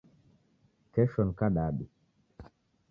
Kesho ni kadadu